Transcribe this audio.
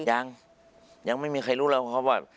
ยังยังไม่มีใครรู้แล้วครับว่า